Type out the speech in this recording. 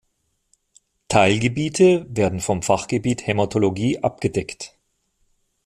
Teilgebiete werden vom Fachgebiet Hämatologie abgedeckt.